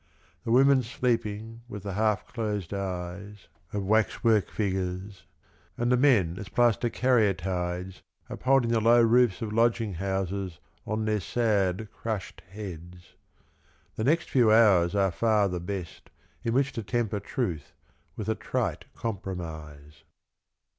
The women sleeping with the half closed eyes Of wax work figures. And the men as plaster caryatides Upholding the low roofs of lodging houses On their sad crushed heads. The next few hours are far the best In which to temper tnith with a trite compromise.